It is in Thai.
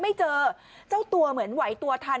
ไม่เจอเจ้าตัวเหมือนไหวตัวทัน